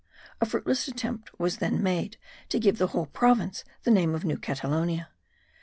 A fruitless attempt was then made, to give the whole province the name of New Catalonia.